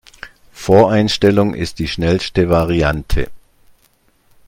Voreinstellung ist die schnellste Variante.